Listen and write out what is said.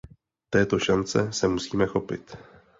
Této šance se musíme chopit.